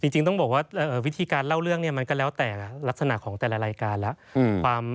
จริงต้องบอกว่าวิธีการเล่าเรื่องเนี่ยมันก็แล้วแต่ลักษณะของแต่ละรายการแล้ว